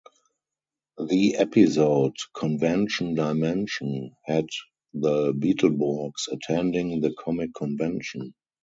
The episode "Convention Dimension" had The Beetleborgs attending the comic convention.